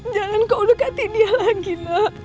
jangan kau dekati dia lagi nak